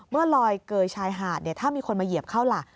เมื่อลอยเกย์ชายหาดถ้ามีคนมาเหยียบเข้าหลัก